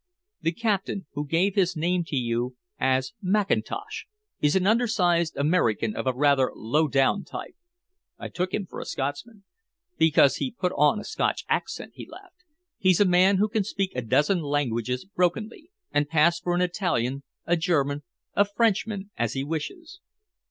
"The captain, who gave his name to you as Mackintosh, is an undersized American of a rather low down type?" "I took him for a Scotsman." "Because he put on a Scotch accent," he laughed. "He's a man who can speak a dozen languages brokenly, and pass for an Italian, a German, a Frenchman, as he wishes."